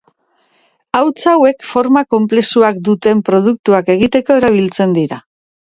Hauts hauek forma konplexuak duten produktuak egiteko erabiltzen dira.